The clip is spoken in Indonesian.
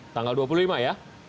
tanggal dua puluh lima ya